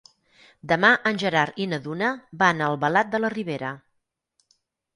Demà en Gerard i na Duna van a Albalat de la Ribera.